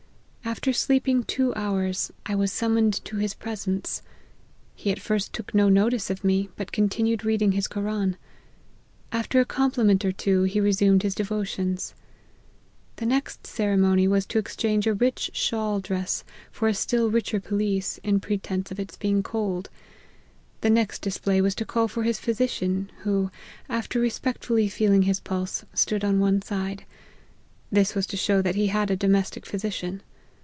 After sleeping two hours, I was summoned to his presence. He at first took no notice of me, but continued reading his Koran. After a compliment or two he resumed his devotions. The next cere mony was to exchange a rich shawl dress for a still richer pelisse, on pretence of its being cold. The next display was to call for his physician, who, after respectfully feeling his pulse, stood on one side : this was to show that he had a domestic physician.